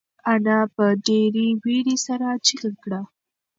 انا په ډېرې وېرې سره چیغه کړه.